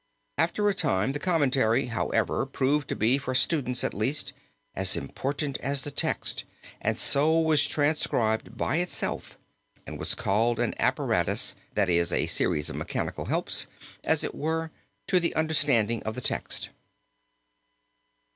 After a time the commentary, however, proved to be, for students at least, as important as the text and so was transcribed by itself and was called an apparatus, that is a series of mechanical helps, as it were, to the understanding of the text.